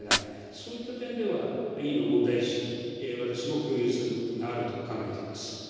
そういった点では、委員の問題意識、私も共有する部分があると考